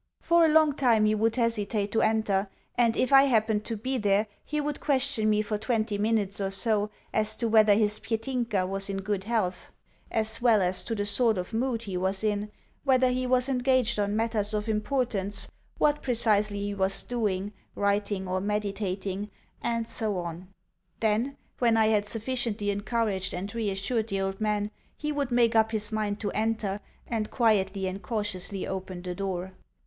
For a long time he would hesitate to enter, and if I happened to be there he would question me for twenty minutes or so as to whether his Petinka was in good health, as well as to the sort of mood he was in, whether he was engaged on matters of importance, what precisely he was doing (writing or meditating), and so on. Then, when I had sufficiently encouraged and reassured the old man, he would make up his mind to enter, and quietly and cautiously open the door.